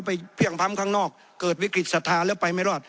เพลี่ยงพร้ำข้างนอกเกิดวิกฤตศรัทธาแล้วไปไม่รอด